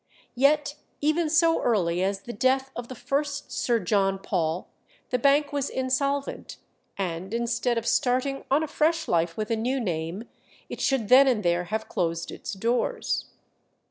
Yet even so early as the death of the first Sir John Paul, the bank was insolvent, and instead of starting on a fresh life with a new name, it should then and there have closed its doors.